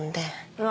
うわ。